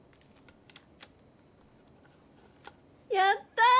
やった！